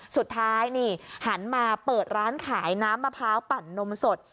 สุดท้ายนี่หันมาเปิดร้านขายน้ำมะพร้าวปั่นนมสด